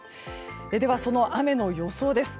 では、その雨の予想です。